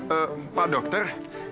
eh pak dokter